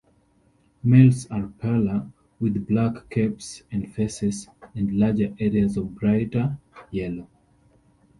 Males are paler, with black caps and faces and larger areas of brighter yellow.